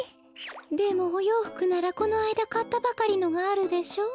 でもおようふくならこのあいだかったばかりのがあるでしょ？